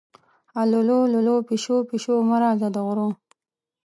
اللو للو، پیشو-پیشو مه راځه د غرو